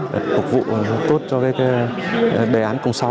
để phục vụ tốt cho đề án sáu